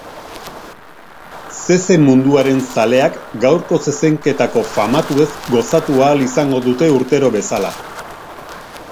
Zezen munduaren zaleak gaurko zezenketako famatuez gozatu ahal izango dute urtero bezala.